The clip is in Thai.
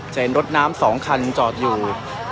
เห็นรถน้ำ๒คันจอดอยู่